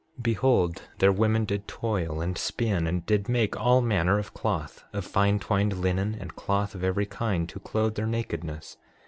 6:13 Behold their women did toil and spin, and did make all manner of cloth, of fine twined linen and cloth of every kind, to clothe their nakedness.